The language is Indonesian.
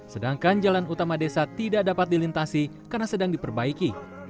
sedangkan jalan utama desa tidak dapat dilintasi karena sedang diperbaiki